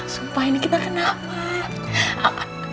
sumpah ini kita kenapa